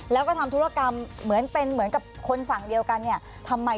แล้วก็ทำธุรกรรมเหมือนเป็นเหมือนกับคนฝั่งเดียวกันเนี่ยทำไม